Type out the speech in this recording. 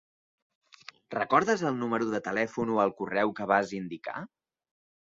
Recordes el número de telèfon o el correu que vas indicar?